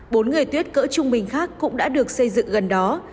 bốn người tuyết cỡ trung bình khác cũng đã được xây dựng gần đó